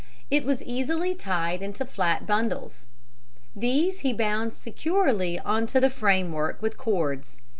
It was easily tied into flat bundles. These he bound securely on to the frame work with cords.